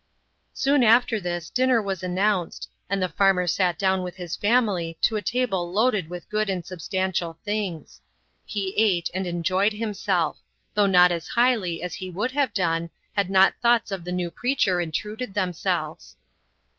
Soon after this, dinner was announced, and the farmer sat down with his family to a table loaded with good and substantial things. He ate and enjoyed himself; though not as highly as he would have done, had not thoughts of the new preacher intruded themselves.